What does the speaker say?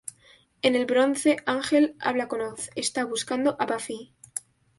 En el Bronze, Ángel habla con Oz: está buscando a Buffy.